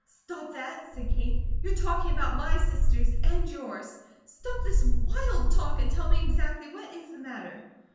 "Stop that!" said Kate. "You're talking about my sisters and yours. Stop this wild talk, and tell me exactly what is the matter."